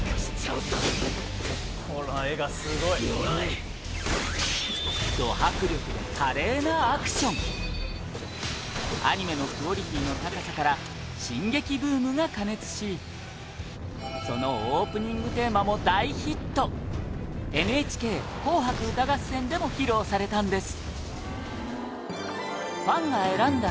宮田：この画がすごい！ド迫力で華麗なアクションアニメのクオリティーの高さから『進撃』ブームが過熱しそのオープニングテーマも大ヒット『ＮＨＫ紅白歌合戦』でも披露されたんです